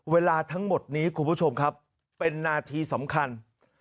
เวลาทั้งหมดนี้คุณผู้ชมครับเป็นนาทีสำคัญ